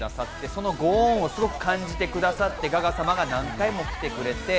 そのご恩をすごく感じてくださって、ガガ様が何回も来てくれて。